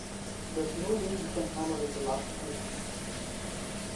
There's no way you can hammer in the last nail.